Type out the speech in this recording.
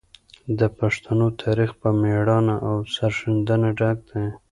د پښتنو تاریخ په مړانه او سرښندنې ډک دی.